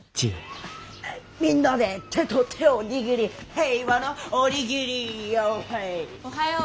みんなで手と手を握り平和のおにぎりおはよ。